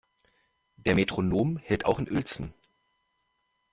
Der Metronom hält auch in Uelzen.